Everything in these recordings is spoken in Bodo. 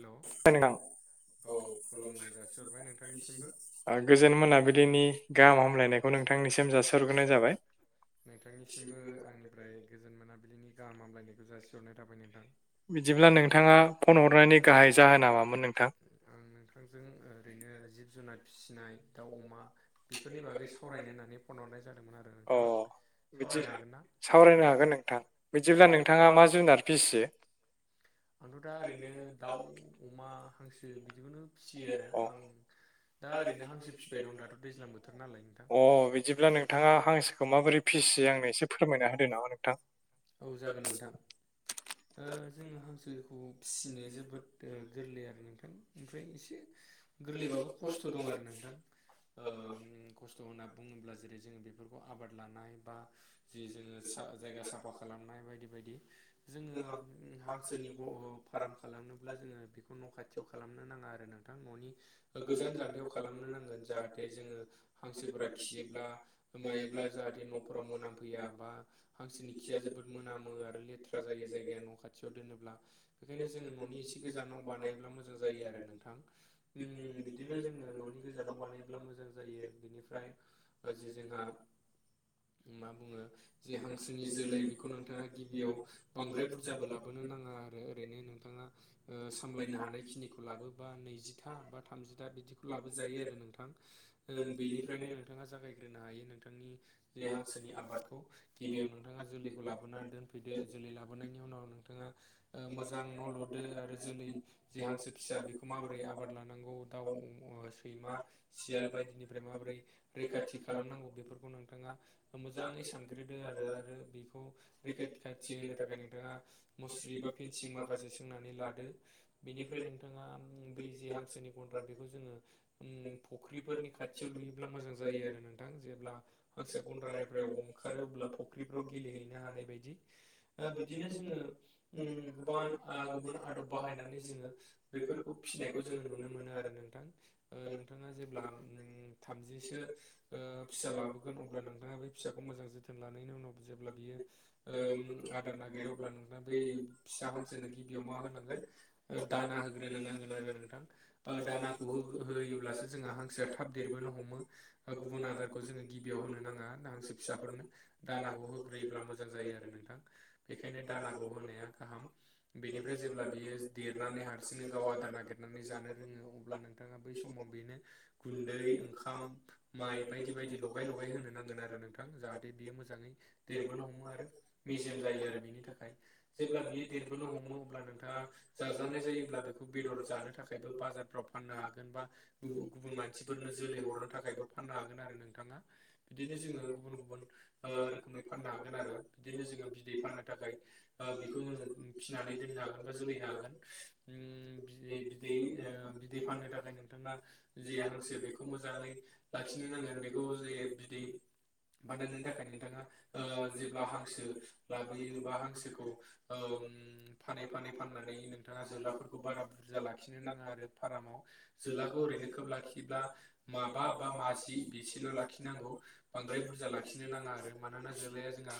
हेलौ [unintelligible] औ खुलुमनाय जासिहरबाय नोंथांनिसिमबो गोजोन मोनाबिलिनि गाहाम हामलायनायखौ नोंथांनिसिम जासि हरग्रोनाय जाबाय नोंथांनिसिमबो आंनिफ्राय गोजोन मोनाबिलिनि गाहाम हामलायनायखौ जासिहरनाय थाबाय नोंथां बिदिब्ला नोंथाङा फन हरनानै गाहाय जाहोन नामोन नोंथां आं नोंथांजों ओरैनो जिब जुनार फिसिनाय दाउ अमा बेफोरनि बागै सावरायनो होननानै फन हरनाय जादोंमोन आरो अ नोंथां बिदि सावरायनो हागोन ना सावरायनो हागोन नोंथां औ बिदिब्ला नोंथाङा मा जुनार फिसियो आंथ' दा ओरैनो दाउ अमा हांसो बिदिखौनो फिसियो आरो अ आं दा ओरैनो हांसो फिबाय दं दाथ' दैज्लां बोथोर नालाय नोंथां अ बिदिब्ला नोंथाङा हांसोखौ माबोरै फिसियो आंनो एसे फोरमायना होदो नामा नोंथां औ जागोन नोंथां ओ जोङो हांसोखौ फिसिनो जोबोद गोरलै आरो नोंथां ओमफ्राय एसे गोरलैबाबो खस्थ' दं आरो नोंथां उम खस्थ' होनना बुङोब्ला जेरै जोङो बेफोरखौ आबाद लानाय बा जि जोङो जायगा साफा खालामनाय बायदि बायदि जोङो हांसोनि फार्म खालामनोब्ला जोङो बेखौ न' खाथियाव खालामनो नाङा आरो नोंथां न'नि गोजान जानथायाव खालामनो नांगोन जाहाथे जोङो हांसोफोरा खियोब्ला मायोब्ला जाहाथे न'फोराव मोनामफैया बा हांसोनि खिया जोबोद मोनामो आरो लेथ्रा जायो जायगाया न' खाथियाव दोनोब्ला बेखायनो जोङो न'नि एसे गोजानाव बानायोब्ला मोजां जायो आरो नोंथां बिदिनो जोङो न'नि गोजानाव बानायोब्ला मोजां जायो बिनिफ्राय जे जोंहा मा बुङो जे हांसोनि जोलै बेखौ नोंथाङा गिबियाव बांद्राय बुरजाबो लाब बोनो नाङा आरो ओरैनो नोंथाङा सामलायनो हानाय खिनिखौ लाबोबा नैजिथा बा थामजिथा बिदिखौ लाबोजायो आरो नोंथां बेनिफ्रायनो नोंथाङा जागायग्रोनो हायो नोंथांनि जि हांसोनि आबादखौ गिबियाव नोंथ नोंथाङा जोलैखौ लाबोनानै दोनफैदो जोलै लाबोनायनि उनाव नोंथाङा मोजां न' लुदो आरो जोलै जि हांसो फिसा बेखौ माबोरै आबाद लानांगौ दाउ सैमा सियाल बायदिनिफ्राय माबोरै रैखाथि खालामनांगौ बेफोरखौ नोंथाङा मोजाङै सानग्रोदों आरो आरो बेखौ रैखा खाथि होनो थाखाय नोंथाङा मुस्रि बा फेनसिं माखासे सोंनानै लादो बेनिफ्राय नोंथाङा बै जे हांसोनि गन्द्रा बेखौ जोङो फुख्रिफोरनि खाथि खाथियाव लुयोब्ला मोजां जायो आरो नोंथां जेब्ला हांसो गन्द्रानिफ्राय ओंखारो अब्ला आव गेलेहैनो हानाय बायदि बिदिनो जोङो गोबां गुबुन आदब बाहायनानै जोङो बेफोरखौ फिसिनायखौ जोङो नुनो मोनो आरो नोंथां नोंथाङा जेब्ला थामजिसो फिसा लाबो अब्ला नोंथाङा बे फिसाखौ मोजां जोथोन लानो नि उनाव जेब्ला बियो आदार नागिरो अब्ला नोंथां बै फिसा हांसोनो गिबियाव मा होनांगोन दाना होग्रोनो नांगोन आरो नोंथां दानाखौ होयोब्लासो जोंहा हांसोया थाब देरबोनो हमो गुबुन आदारखौ जोङो गिबियाव होनो नाङा हांसो फिसाफोरनो दानाखौ होग्रोयोब्ला मोजां जायो आरो नोंथां बेखायनो दानाखौ होनाया गाहाम बेनिफ्राय जेब्ला बियो देरनानै हारसिंनो गाव आदार नागिरनानै जानो रोङो अब्ला नोंथाङा बै समाव बेनो गुननदै ओंखाम माइ बायदि बायदि लगाय लगाय होनो नांगोन आरो नोंथां जाहाथे बियो मोजाङै देरबोनो हमो आरो मेजेम जायो आरो बेनि थाखाय जेब्ला बियो देरबोनो हमो अब्ला नों दा जाजानाय जायोब्ला बेखौ बेदर जानो थाखायबो बाजार फ्राव फाननो हागोन बा गुब गुबुन मानसिफोरनो जोलै हरनो थाखायबो फाननो हागोन आरो नोंथाङा बिदिनो जोङो गुबुन गुबुन ओ रोखोमै फाननो हागोन आरो बिदिनो जोङो बिदै फाननो थाखाय बेखौ जोङो फिसिनानै दोननो हागोन बा जोलैनो हागोन ओ बिदै बिदै ओ बिदै फाननो थाखाय नोंथाङा जे हांसो बेखौ मोजाङै लाखिनो नांगोन बेखौ जे बिदै ओ बानायनो गोजोननाय थाखाय थाबाय नोंथाङा ओ जेब्ला हांसो लाबोयो बा हांसोखौ ओम फानै फानै फाननानै नोंथाङा जोलाफोरखौ बारा बुरजा लाखिनो नाङा आरो फारामाव जोलाखौ ओरैनो खोब लाखियोब्ला माबा बा माजि बेसेल' लाखिनांगौ बांद्राय बुरजा लाखि फिनो नाङा आरो मानोना जोलाया जोंहा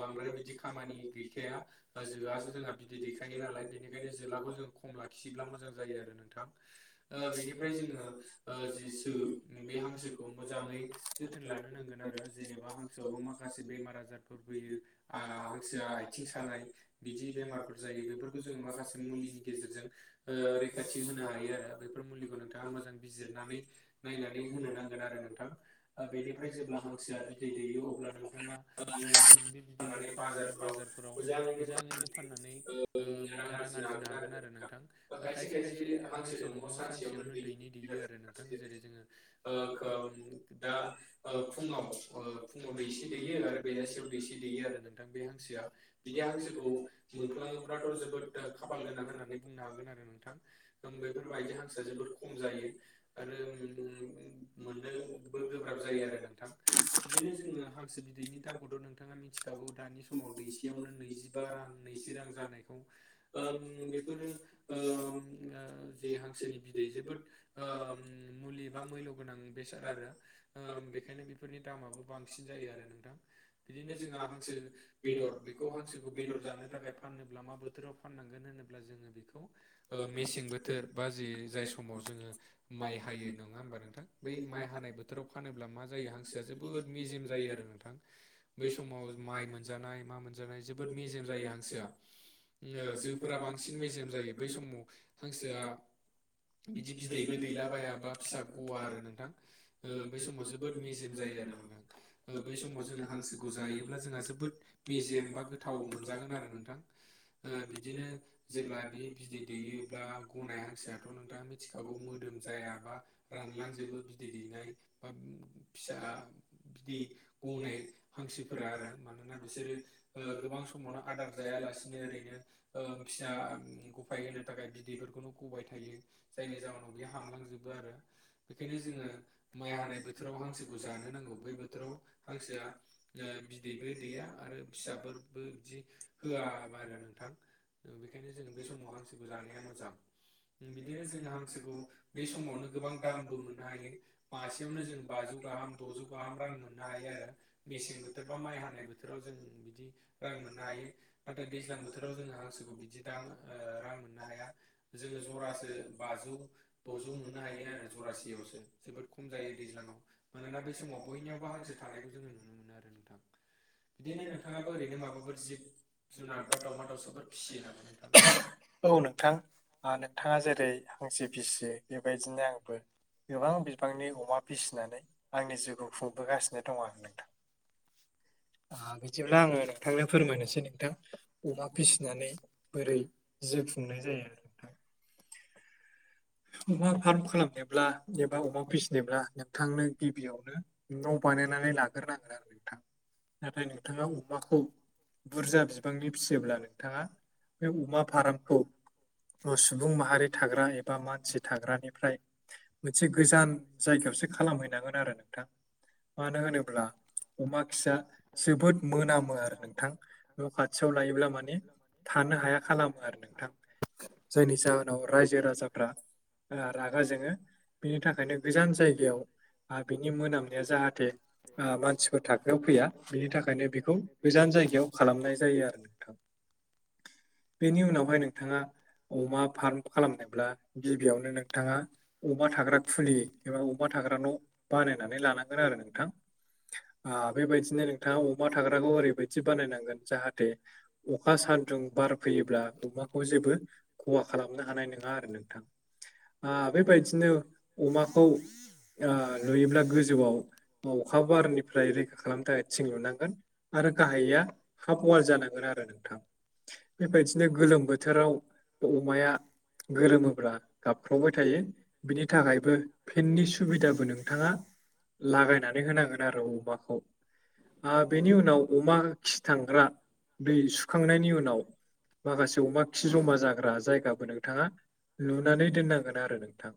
बांद्राय बिदि खामानि गैखाया ओ जोयासो जोंहा बिदै दैखायो नालाय बेनिखायनो जोलाखौ जोङो खम लाखियोब्ला मोजां जायो आरो नोंथां ओ बेनिफ्राय जोङो जिसु बे हांसोखौ मोजाङै जोथोन लानो नांगोन आरो जेनेबा हांसोयावबो माखासे बेमार आजारफोर फैयो ओ हांसोया आथिं सानाय बिदि बेमारफोर जायो बेफोरखौ जोङो माखासे मुलिनि गेजेरजों ओ रैखाथि होनो हायो आरो बे बेफोर मुलिखौ नोंथाङा मोजां बिजिरनानै नायनानै होनो नांगोन आरो नोंथां ओ बेनिफ्राय जेब्ला हांसो बिदै दैयो अब्ला नोंथाङा ओम बे बिदैखौ फाननानै बाजारफोराव मोजाङैनो फाननानै ओम रां आरजिनो हागोन आरो नोंथां खायसे खायसे हांसो दङ सानसे यावनो दैनि दैयो आरो नोंथां जेरै जोङो ओ खोम दा ओ फुङाव ओ फुङाव दैसे दैयो आरो बेलासियाव दैसे दैयो आरो नोंथां बे हांसोआ बिदि हांसोखौ मोनफ्लाङोब्लाथ' जोबोद खाफाल गोनां होननानै बुंनो हागोन आरो नोंथां बेफोरबायायदि हांसोया जोबोद खम खम जायो आरो मोननोबो गोब्राब जायो आरो नोंथां बिदिनो जोङो हांसो बिदैनि दामखौथ' नोंथाङा मिथिखागौ दानि समाव दैसेयावनो नैजि बा रां नैजि रां जानायखौ ओम बेफोरो ओम जि हांसोनि बिदै जोबोद ओम मुलि बा मुयल' गोनां बेसे आरो ओम बेखायनो बे बेफोरनि दामाबो बांसिन जायो आरो नोंथां बिदिनो जोंहा हांसो बेदर बेखौ हांसोखौ बेदर जानो थाखाय फानोब्ला मा बोथोराव फाननांगोन होनोब्ला जोङो बेखौ ओ मेसें बोथोर बा जे जाय समाव जोङो माइ हायो नङा होमबा नोंथां बै माइ हानाय बोथोर बोथाव फानोब्ला मा जायो हांसो जोबोद मेजेम जायो आरो नोंथां बै समाव माइ मोनजानाय मा मोनजानाय जोबोद मेजेम जायो हांसोया ओ जोफोरा बांसिन मेजेम जायो बै समाव हांसोया बिदि बिदैबो दैला बाया बा फिसा गवा आरो नोंथां बै समाव जोबोद मेजेम जायो आरो नोंथां ओ बै समाव जोङो हांसोखौ जायोब्ला जोंहा जोबोद मेजेम बा गोथ थाव मोनजागोन आरो नोंथां ओ बिदिनो जेब्ला बे बिदै दैयोब्ला गनाय हांसोया बेखौथ' नोंथाङा मिथिखागौ मोदोम जायाबा रानलांजोबो बिदै दैनाय बा फिसा बिदि गनाय हांसोफोरा आरो मानोना बिसोरो ओ गोबां समावनो आदार जायालासिनो ओरैनो फिसा गफाय होनो थाखाय बिदैफोरखौनो गबाय थायो जायनि जाहोनाव बेयो हामलांजोबो आरो बेखायनो जोङो माइ हानाय बोथोराव हांसो जानो नांगौ बै बोथोराव हांसोया ओ बिदैबो दैया आरो फिसाफोरबो बिदि होयाबो आरो नोंथां बेखायनो जोङो बे समाव हांसोखौ जानाया मोजां बिदिनो जोंङो हांसोखौ बे समावनो गोबां दामबो मोननो हायो मासेयावनो जोङो बाजौ गाहाम द'जौ गाहाम रां मोननो हायो आरो मेसें बोथोर बा माइ हानाय बोथोराव जों बिदि रां मोननो हायो नाथाय दैज्लां बोथोराव जोङो हांसोखौ बिदि दां रां मोननो हाया जोङो जरासो बाजौ द'जौ मोननो हायो आरो जरासेयावसो जोबोद खम जायो दैज्लाङाव मानोना बै समाव बयनियावबो हांसो थानायखौ जोङो नुनो मोनो आरो नोंथां बिदिनो नोंथाङाबो ओरैनो माबाफोर जिब जुनार बा दाउमा दाउसाफोर फिसियो नामा नोंथां औ नोंथां नोंथाङा जेरै हांसो फिसियो बेबायदिनो आंबो गोबां बिबांनि अमा फिसिनानै आंनि जिउखौ खुंबोगासिनो दङ आं नोंथां बिदिब्ला आङो नोंथांनो फोरमायनोसै नोंथां अमा फिसिनानै बोरै जि खुंनाय जायो आरो नोंथां अमा फार्म खालामनोब्ला एबा अमा फिसिनोब्ला नोंथांनो गिबियावनो न' बानायनानै लाग्रोनांगोन आरो नोंथां नाथाय नोंथाङा अमाखौ बुरजा बिबांनि फिसियोब्ला नोंथाङा बे अमा फार्मखौ सुबुं माहारि थाग्रा ए बा मानसि थाग्रानिफ्राय मोनसे गोजान जायगायावसो खालामहैनांगोन आरो नोंथां मानो होनोब्ला अमा खिया जोबोद मोनामो आरो नोंथां न खाथियाव लायोब्ला माने थानो हाया खालामो आरो नों खालाम [unintelligible] जायनि जाहोनाव रायजो राजाफ्रा रागा जोङो बेनि थाखायनो गोजान जायगायाव बिनि मोनामनाया जाहा जाथे मानसिफोर थाखोआव फैया बेनि थाखायनो बेखौ गोजान जायगायाव खालामनाय जायो आरो नोंथां। बेनि उनावहाय नोंथाङा अमा फार्म खालामनोब्ला गिबियावनो नोंथाङा अमा थाग्रा खुलि एबा अमा थाग्रा न' बानायनानै लानांगोन आरो नोंथां बेबायदिनो नोंथाङा अमा थाग्राखौ ओरैबायदि बानायनांगोन जाहाथे अखा सान्दुं बार फैयोब्ला अमाखौ जेबो खहा खालामनो हानाय नङा आरो नों बेबायदिनो अमाखौ नुयोब्ला गोजौआव अखा बारनिफ्राय रैखा खालामनो थाखाय थिं लुनांगोन आरो गाहाया हाफ वाल जानांगोन आरो नोंथां बेबायदिनो गोलोम बोथोराव अमाया गोलोमो ब्ला गाबख्रावबाय थायो बिनि थाखायबो फेननि सुबिदाबो नोंथाङा लागायनानै होनांगोन आरो अमाखौ बेनि उनाव अमा खिथांग्रा दै सुखांनायनि उनाव माखासे अमा खि जमा जाग्रा जायगाबो नोंथाङा लुनानै दोननांगोन आरो नोंथां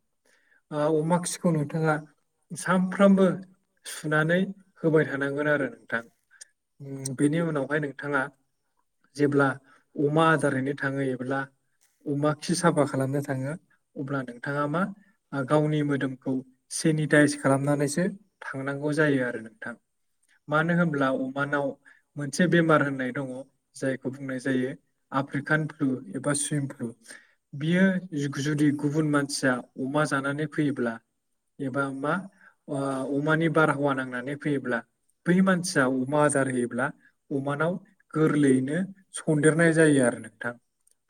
अमा खिखौ नोंथाङा सानफ्रामबो सुनानै होबाय थानांगोन आरो नोंथां। बेनि उनावहाय नोंथाङा जेब्ला अमा आदार हैैनो थाङो एब्ला अमा खि साफा खालामनो था थाङो अब्ला नोंथाङा मा गावनि मोदोमखौ सेनिटाइस खालामनानैसो थांनांगौ जायो आरो नोंथां मानो होनब्ला अमानाव मोनसे बेमार होननाय दङ जायखौ बुंनाय जायो आफ्रिकान फ्लु एबा सुइम फ्लु बियो जुदि गुबुन मानसिया अमा जानानै फैयोब्ला एबा मा अमानि बारहावा नांनानै फैयोब्ला बै मानसिया अमा आदार होयोब्ला अमानाव गोरलैयैनो सनदेरनाय जायो आरो नोंथां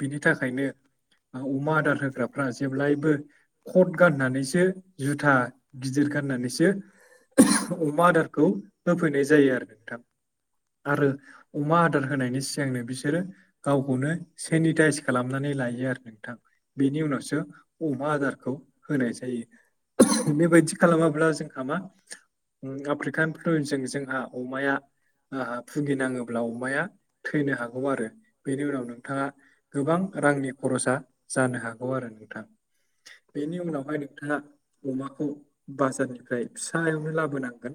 बिनि थाखायनो अमा आदार होग्राफ्रा जेब्लायबो कट गाननानैसो जुथा गिदिर गाननानैसो अमा आदारखौ होफैनाय जायो आरो नोंथां आरो अमा आदार होनायनि सिगांनो बिसोरो गावखौनो सेनिटाइस खालामनानै लायो आरो नोंथां बेनि उनावसो अमा आदारखौ होनाय जायो। बेबायदि खालामाब्ला जोंहा मा आफ्रिकान सवेनफोलो जों जोंहा अमाया औ भुगिनाङोब्ला अमाया थैनो हागौ आरो बेनि उनाव नोंथाङा गोबां रांनि खरसा जानो हागौ आरो नोंथाङा बेनि उनावहाय नोंथाङा अमाखौ बाजारनिफ्राय फिसायावनो लाबोनांगोन।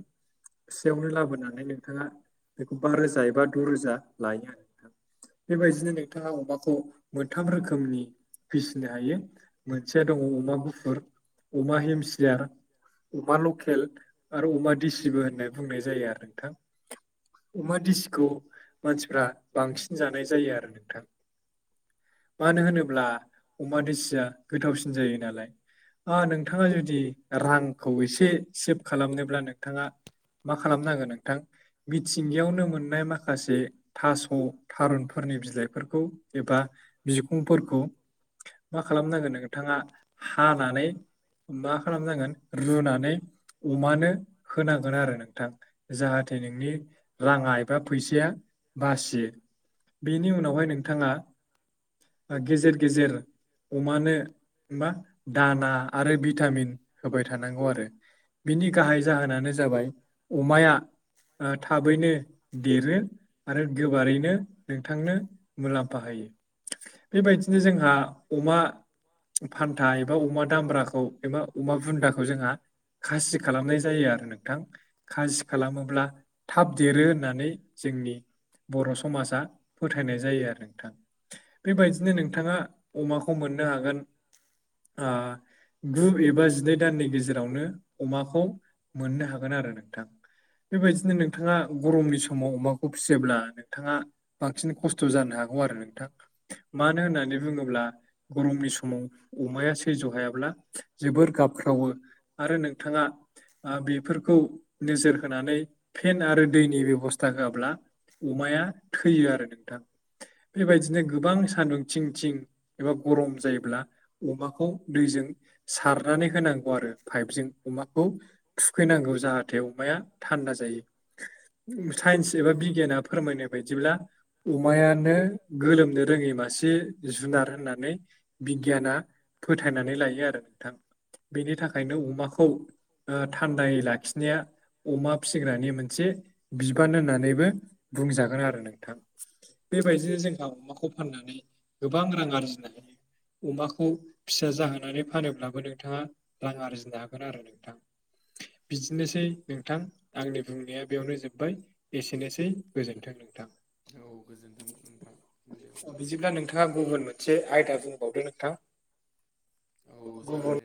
फिसायावनो लाबोनानै नोंथाङा बेखौ बा रोजा एबा द' रोजा लायो आरो नोंथाङा बेबायदिनो नोंथाङा अमाखौ मोनथाम रोखोमनि फिसिनो हायो मोनसेया दङ अमा गुफुर अमा हेमसियार अमा लकेल आरो अमा देसिबो होननाय बुंनाय जायो आरो नोंथां अमा दिसिखौ मानसिफ्रा बांसिन जानाय जायो आरो नोंथां [inaudible] मानो होनोब्ला अमा दोसिया गोथावसिन जायो नालाय नोंथाङा जुदि रांखौ एसे सेभ खालामनोब्ला नोंथाङा मा खालामनांगोन नोंथां मिथिंगायावनो मोननाय माखासे थास' थारुनफोरनि बिलाइ बेफोरखौ एबा बिखुंफोरखौ मा खालामनांगोन नोंथाङा हानानै मा खालामनांगोन रुनानै अमानो होनांगोन आरो नोंथां जाहाथे नोंनि राङा एबा फैसाया बासियो बेनि उनावहाय नोंथाङा गेजेर गेजेर अमानो‌ मा दाना आरो भिटामिन होबाय थानांगौ आरो। बिनि गाहाय जाहोनानो जाबाय अमाया थाबैनो देरो आरो गोबारैनो नोंथांनो मुलाम्फा होयो। बेबायदिनो जोंहा अमा फान्था एबा अमा दामब्राखौ एबा अमा बुन्दाखौ जोंहा खासि खालामनाय जायो आरो नोंथां खासि खालामोब्ला थाब देरो होननानै जोंनि बर' समाजा फोथायनाय जायो आरो नोंथां बेबायदिनो नों नोंथाङा अमाखौ मोननो हागोन गु एबा जिनै दाननि गेजेरावनो अमाखौ मोननो हागोन आरो नोंथां बेबायदिनो नोंथाङा गरमनि समाव अमाखौ फिसियोब्ला नोंथाङा बांसिन खस्थ' जानो हागौ आरो नों मानो होननानै बुङोब्ला गरमनि समाव अमाया सैज्य हायाब्ला जोबोर गाबख्रावो आरो नोंथाङा बेफोरखौ नोजोर होनानै फेन आरो दैनि बेब'स्था होआब्ला अमाया थैयो आरो नोंथां बेबायदिनो गोबां सान्दुं थिं थिं एबा गरम जायोब्ला अमाखौ दैजों सारनानै होनांगौ आरो पाइपजों अमाखौ थुखैनांगौ जाहाथे अमाया थान्दा जायो साइन्स एबा बिगियाना फोरमायनाय बायदिब्ला अमायानो गोलोमनो रोङै मासे मासे जुनार होननानै बिगियाना फोथायनानै लायो आरो नोंथां बेनि थाखायनो अमाखौ थान्दायै‌ लाखिनाया अमा फिसिग्रानि मोनसे बिबान होननानैबो बुंजागोन आरो नोंथां बेबायदिनो जोंहा अमाखौ फाननानै गोबां रां आरजिनो हायो अमाखौ फिसा जाहोनानै फानोब्लाबो नोंथाङा रां आरजिनो हागोन आरो नोंथां बिदिनोसै नोंथां आंनि बुंनाया बेयावनो जोब्बाय एसेनोसै गोजोन्थों नोंथां औ गोजोन्थों नोंथां दे अब्ला नोंथा गुबुन मोनसे आयदा बुंबावदो नोंथां औ जागोन गुबुन दे